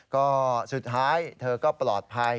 ก็สุดท้ายเธอก็ปลอดภัย